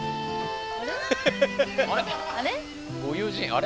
あれ？